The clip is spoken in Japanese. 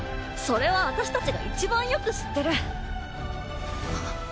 それは私たちがいちばんよく知ってる。